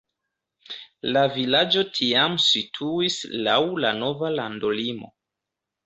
La vilaĝo tiam situis laŭ la nova landolimo.